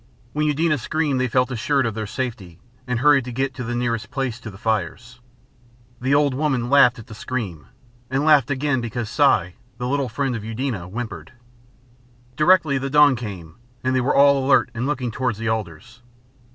When Eudena screamed they felt assured of their safety, and hurried to get the nearest places to the fires. The old woman laughed at the scream, and laughed again because Si, the little friend of Eudena, whimpered. Directly the dawn came they were all alert and looking towards the alders.